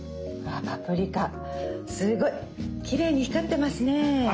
「パプリカすごいきれいに光ってますね」。